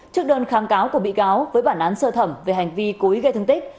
trước đơn kháng cáo của bị cáo với bản án sơ thẩm về hành vi cối gây thương tích